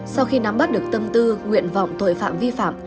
sau khi nắm bắt được tâm tư nguyện vọng tội phạm vi phạm